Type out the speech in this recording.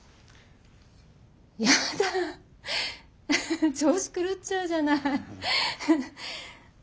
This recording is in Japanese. やだ調子狂っちゃうじゃない。